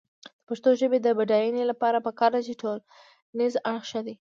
د پښتو ژبې د بډاینې لپاره پکار ده چې ټولنیز اړخ ښه شي.